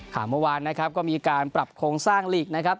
เมื่อวานนะครับก็มีการปรับโครงสร้างหลีกนะครับ